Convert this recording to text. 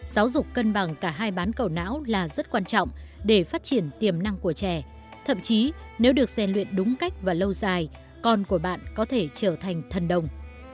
giáo dục cân bằng cả hai bán cầu não là rất quan trọng để phát triển tiềm năng của trẻ thậm chí nếu được xen luyện đúng cách và lâu dài con của bạn có thể trở thành thần đồng